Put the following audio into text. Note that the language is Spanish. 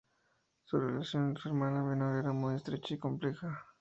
Su relación con su hermana menor era muy estrecha y compleja.